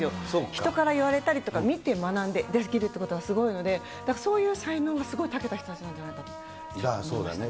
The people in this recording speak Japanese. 人から言われたりとか、見て学んで、出しきるってことはすごいので、そういう才能がすごいたけた人たちなんじゃないかと思いましたね。